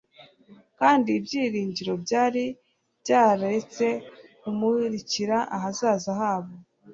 kandi ibyiringiro byari byararetse kumurikira ahazaza habo.